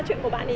tao sợ mày á